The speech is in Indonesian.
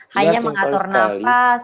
hanya mengatur nafas